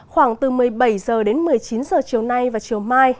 khoảng từ một mươi bảy h đến một mươi chín h chiều nay và chiều mai